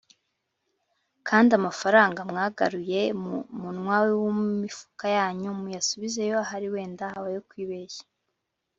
Kandi amafaranga mwagaruye mu munwa w imifuka yanyu muyasubizeyo ahari wenda habayeho kwibeshya